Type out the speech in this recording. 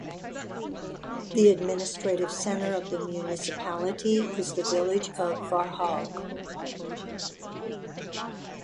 The administrative centre of the municipality is the village of Varhaug.